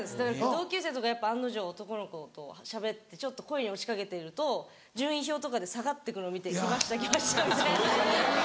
同級生とかやっぱ案の定男の子としゃべってちょっと恋に落ちかけてると順位表とかで下がってくるの見てきましたきましたみたいな。